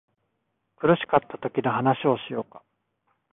苦しかったときの話をしようか